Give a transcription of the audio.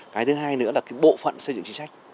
cái thứ hai nữa là bộ phận xây dựng chính trách